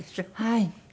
はい。